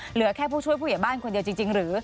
เหลือแค่ผู้ช่วยผู้ใหญ่บ้านคนเดียวจริงหรือ